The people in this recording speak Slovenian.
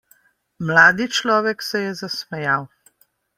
Mladi človek se je zasmejal.